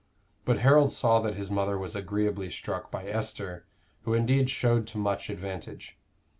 But Harold saw that his mother was agreeably struck by Esther, who indeed showed to much advantage.